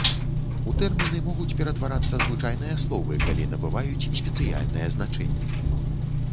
У тэрміны могуць ператварацца звычайныя словы, калі набываюць спецыяльнае значэнне.